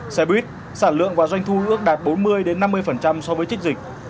xe buýt sản lượng và doanh thu ước đạt bốn mươi năm mươi so với trích dịch